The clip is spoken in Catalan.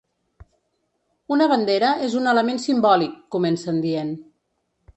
Una bandera és un element simbòlic, comencen dient.